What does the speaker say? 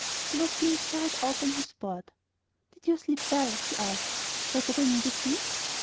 He was being carried out on his board. "Did you sleep well?" he asked, "better than in the field?"